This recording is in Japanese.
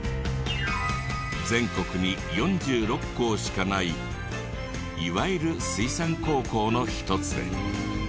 全国に４６校しかないいわゆる水産高校の一つで。